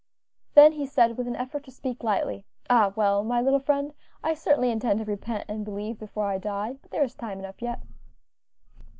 Then he said, with an effort to speak lightly. "Ah, well, my little friend, I certainly intend to repent and believe before I die, but there is time enough yet."